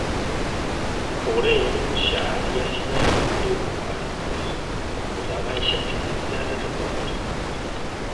Porén xa había sinais moi preocupantes, como o da baixa fidelidade de voto.